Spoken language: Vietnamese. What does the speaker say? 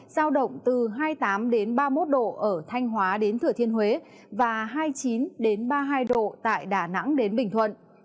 giao động từ hai mươi tám ba mươi một độ ở thanh hóa đến thửa thiên huế và hai mươi chín ba mươi hai độ tại đà nẵng đến bình thuận